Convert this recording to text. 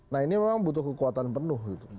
nah ini memang butuh kekuatan penuh gitu